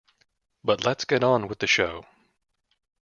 But let's get on with the show.